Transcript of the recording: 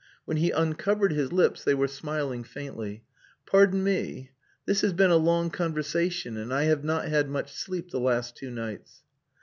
When he uncovered his lips they were smiling faintly. "Pardon me. This has been a long conversation, and I have not had much sleep the last two nights."